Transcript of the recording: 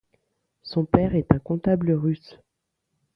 Son père est un comptable russe.